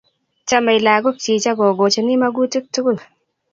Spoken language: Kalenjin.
Chamei lagok chik akogoochin magutik tukul.